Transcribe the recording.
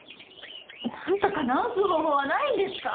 何とか治す方法はないんですか？